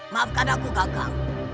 maafkan aku kakang